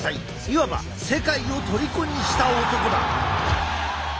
いわば世界をとりこにした男だ！